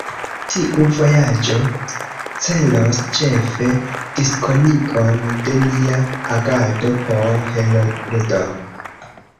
Tiu vojaĝo celos ĉefe diskonigon de nia agado por Heroldo.